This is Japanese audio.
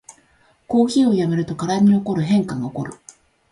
コーヒーをやめると体に起こる変化がおこる